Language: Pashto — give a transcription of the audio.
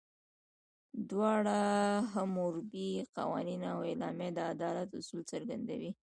دواړه، حموربي قوانین او اعلامیه، د عدالت اصول څرګندوي.